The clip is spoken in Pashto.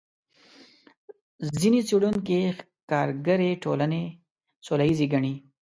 ځینې څېړونکي ښکارګرې ټولنې سوله ییزې ګڼي.